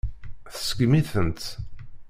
Tseggem-itent.